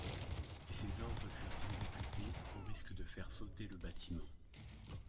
Et ses ordres furent exécutés, au risque de faire sauter le bâtiment.